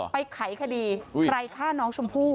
ไปไขะคดีให้ตายไปไข้น้องชมพู